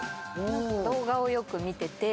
動画をよく見てて。